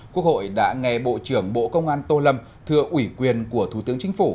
quốc hội đã nghe bộ trưởng bộ công an tô lâm thưa ủy quyền của thủ tướng chính phủ